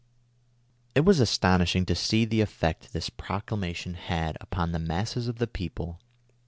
'" It was astonishing to see the effect this proclamation had upon the masses of the people.